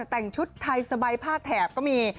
แต่งชุดไทยสบายผ้าแถบก็มี